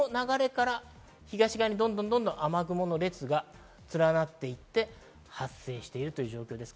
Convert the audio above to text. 東側にどんどん雨雲の列が連なっていて、発生しているという状況です。